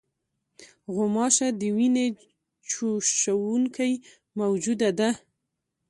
غوماشه د وینې چوشوونکې موجوده ده.